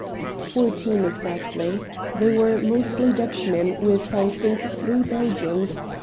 "Fourteen exactly. They were mostly Dutchmen, with, I think three Belgians.